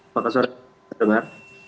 apakah suara terdengar